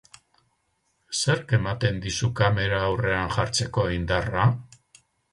Zerk ematen dizu kamera aurrean jartzeko indarra?